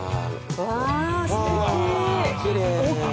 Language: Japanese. うわーすてき！